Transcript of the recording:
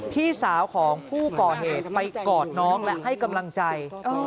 พี่สาวของผู้ก่อเหตุไปกอดน้องและให้กำลังใจ